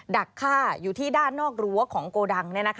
ดักฆ่าอยู่ที่ด้านนอกรั้วของโกดัง